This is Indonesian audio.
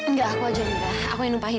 nggak aku ajarin amirah aku yang ngupain